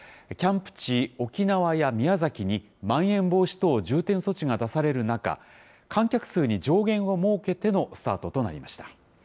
キャンプ地、沖縄や宮崎にまん延防止等重点措置が出される中、観客数に上限を設けてのスタートとなりました。